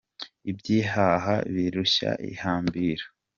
Iby’ihaha birushya ihambira.